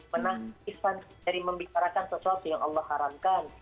menaktifkan dari membicarakan sesuatu yang allah haramkan